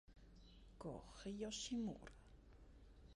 Koji Yoshimura